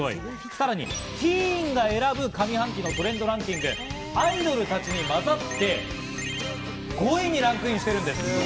さらにティーンが選ぶ上半期のトレンドランキング、アイドルたちにまざって５位にランクインしているんです。